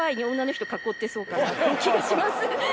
って気がします。